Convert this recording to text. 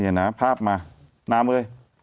นี่นะภาพมาน้ำเอย